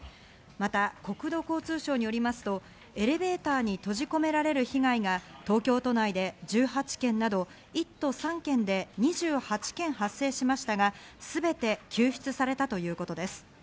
また、国土交通省によりますとエレベーターに閉じ込められる被害が東京都内で１８件など、１都３県で２８件発生しましたが、すべて救出されたということです。